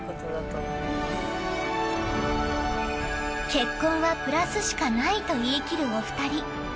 結婚はプラスしかないと言い切るお二人。